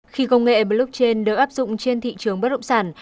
khi công nghệ blockchain đều áp dụng trên thị trường bất động sản